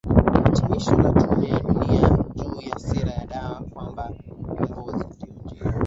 hitimisho la Tume ya Dunia juu ya sera ya Dawa kwamba ukombozi ndio njia